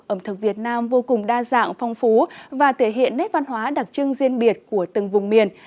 ẩm thực việt nam vô cùng đa dạng phong phú và thể hiện nét văn hóa đặc trưng riêng biệt của từng vùng miền